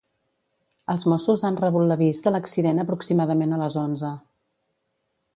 Els Mossos han rebut l'avís de l'accident aproximadament a les onze.